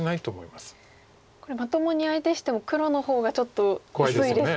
これまともに相手しても黒の方がちょっと薄いですか。